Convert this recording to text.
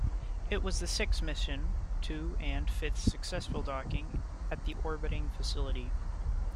It was the sixth mission to and fifth successful docking at the orbiting facility.